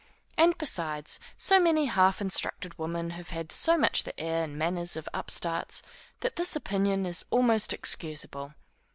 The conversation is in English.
And besides, so many half instructed women have had so much the air and manners of upstarts, that this opinion is almost excusable.